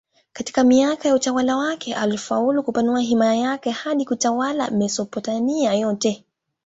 Katika miaka ya utawala wake alifaulu kupanua himaya yake hadi kutawala Mesopotamia yote.